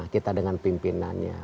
kita dengan pimpinannya